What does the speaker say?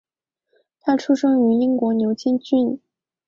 他出生于英国牛津郡。